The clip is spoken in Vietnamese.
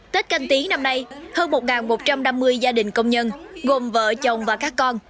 tết canh tí năm nay hơn một một trăm năm mươi gia đình công nhân gồm vợ chồng và các con